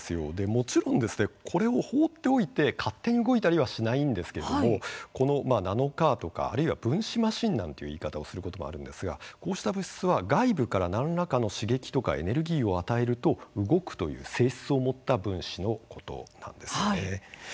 もちろん、これを放っておいて勝手に動いたりはしないんですけれどもこのナノカーとか、あるいは分子マシンなんていう言い方をすることもあるんですがこうした物質は外部から何らかの刺激とかエネルギーを与えると動くという性質を持った分子のことなんですよね。